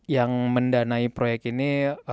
yang mendanai proyek ini